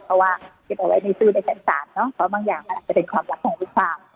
เพราะว่าเก็บเอาไว้ในสู้ในชั้นศาลเนอะเพราะบางอย่างมันอาจจะเป็นความลับของลูกความ